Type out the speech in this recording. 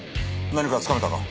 何かつかめたか？